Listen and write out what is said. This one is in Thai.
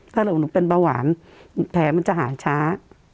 ถ้าเราเป็นเบาหวานแผงมันจะหายช้า